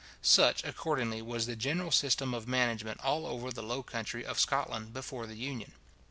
Such, accordingly, was the general system of management all over the low country of Scotland before the Union.